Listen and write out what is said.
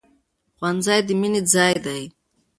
ښوونځی د مینې ځای دی.